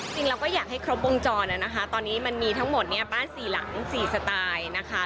จริงเราก็อยากให้ครบวงจรนะคะตอนนี้มันมีทั้งหมดเนี่ยบ้านสี่หลัง๔สไตล์นะคะ